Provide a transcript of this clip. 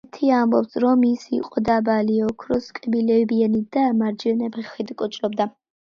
ერთი ამბობს, რომ ის იყო დაბალი, ოქროს კბილებიანი და მარჯვენა ფეხით კოჭლობდა.